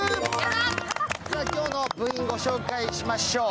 今日の部員、ご紹介しましょう。